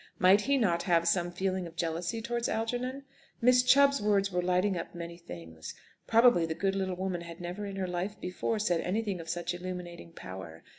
Might he not have some feeling of jealousy towards Algernon? (Miss Chubb's words were lighting up many things. Probably the good little woman had never in her life before said anything of such illuminating power.)